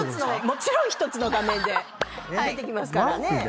もちろん１つの画面で出てきますからね。